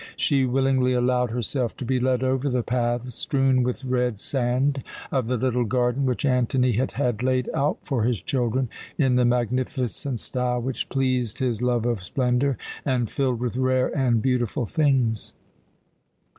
She willingly allowed herself to be led over the paths, strewn with red sand, of the little garden which Antony had had laid out for his children in the magnificent style which pleased his love of splendour, and filled with rare and beautiful things.